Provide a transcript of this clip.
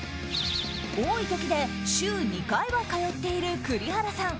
多い時で週２回は通っている栗原さん。